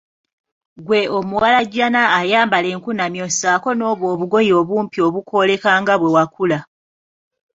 Ggwe omuwalajjana ayambala enkunamyo ssaako nobwo obugoye obumpi obukwoleka nga bwe wakula.